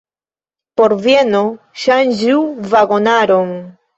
Por Vieno, ŝanĝu vagonaron!